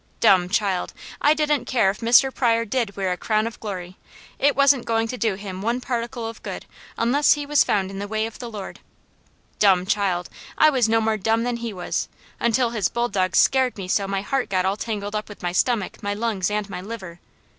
"Dumb child!" I didn't care if Mr. Pryor did wear a Crown of Glory. It wasn't going to do him one particle of good, unless he was found in the way of the Lord. "Dumb child!" I was no more dumb than he was, until his bulldogs scared me so my heart got all tangled up with my stomach, my lungs, and my liver.